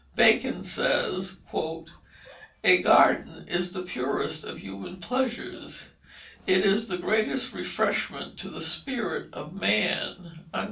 Bacon says: "A garden is the purest of human pleasures, it is the greatest refreshment to the spirits of man."